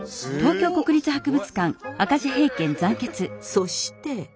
そして。